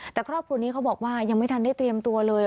แต่ครอบครัวนี้เขาบอกว่ายังไม่ทันได้เตรียมตัวเลย